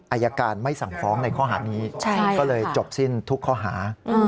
อายการไม่สั่งฟ้องในข้อหานี้ก็เลยจบสิ้นทุกข้อหา